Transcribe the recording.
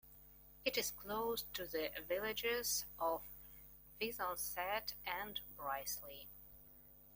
It is close to the villages of Whissonsett and Brisley.